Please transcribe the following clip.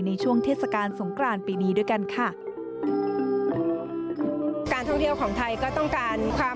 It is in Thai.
ในช่วงเทศกาลสงกรานปีนี้ด้วยกันค่ะ